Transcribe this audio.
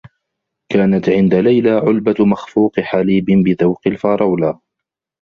كانت عند ليلى علبة مخفوق حليب بذوق الفرولة.